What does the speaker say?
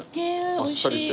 あっさりしてる。